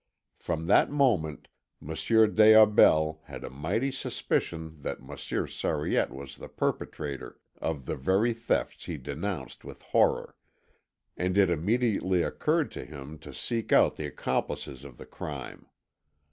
From that moment Monsieur des Aubels had a mighty suspicion that Monsieur Sariette was the perpetrator of the very thefts he denounced with horror; and it immediately occurred to him to seek out the accomplices of the crime.